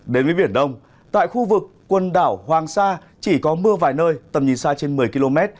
đến với biển đông tại khu vực quần đảo hoàng sa chỉ có mưa vài nơi tầm nhìn xa trên một mươi km